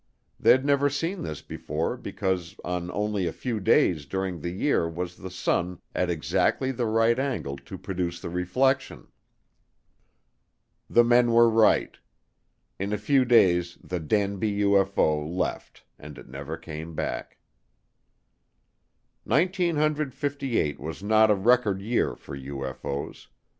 They'd never seen this before because on only a few days during the year was the sun at exactly the right angle to produce the reflection. The men were right. In a few days the Danby UFO left and it never came back. Nineteen hundred fifty eight was not a record year for UFO's.